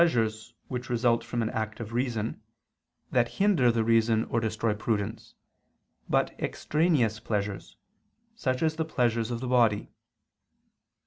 3), it is not the pleasures which result from an act of reason, that hinder the reason or destroy prudence, but extraneous pleasures, such as the pleasures of the body.